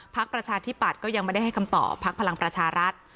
ประชาธิปัตย์ก็ยังไม่ได้ให้คำตอบพักพลังประชารัฐ